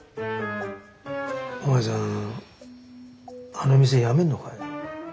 お前さんあの店辞めるのかい？